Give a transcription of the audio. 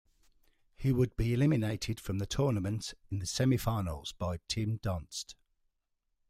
He would be eliminated from the tournament in the semifinals by Tim Donst.